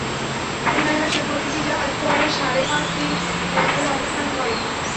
জুলাই মাসে প্রতিটি জাহাজ গড়ে সাড়ে পাঁচ দিন বন্দরে অবস্থান করে।